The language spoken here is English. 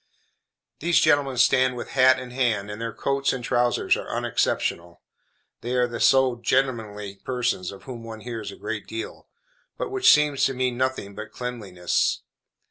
These gentlemen stand with hat in hand, and their coats and trousers are unexceptionable. They are the "so gentlemanly" persons of whom one hears a great deal, but which seems to mean nothing but cleanliness.